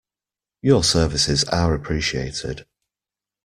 Your services are appreciated.